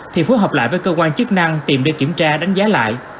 thì phối hợp lại với cơ quan chức năng tìm để kiểm tra đánh giá lại